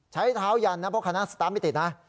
ใช้เท้ายันนะเพราะคันนั้นสตามไม่ติดนะ